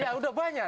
ya sudah banyak